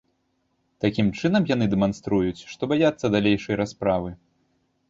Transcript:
Такім чынам, яны дэманструюць, што баяцца далейшай расправы.